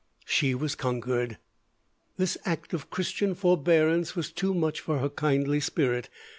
She was conquered. This act of Christian forbearance was too much for her kindly spirit.